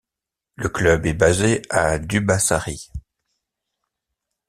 Le club est basé à Dubăsari.